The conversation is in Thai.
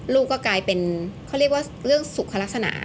ลูกก็กลายเป็นเขาเรียกว่าเรื่องสุขลักษณะ